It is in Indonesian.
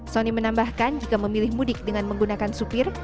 sony menambahkan jika memilih mudik dengan menggunakan supir